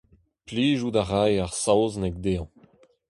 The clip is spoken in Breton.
Plijout a rae ar saozneg dezhañ.